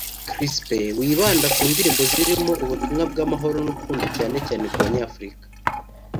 Chrispin wibanda ku ndirimbo zirimo ubutumwa bw’amahoro n’urukundo cyane cyane ku banyafurika